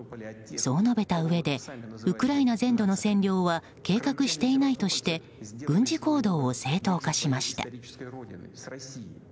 そう述べたうえでウクライナ全土の占領は計画していないとして軍事行動を正当化しました。